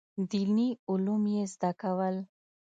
دیني علوم یې زده کول.